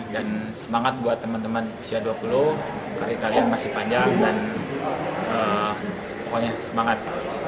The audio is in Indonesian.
dan semangat buat teman teman usia dua puluh karir kalian masih panjang dan pokoknya semangat